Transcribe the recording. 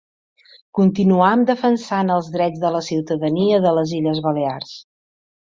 Continuam defensant els drets de la ciutadania de les Illes Balears.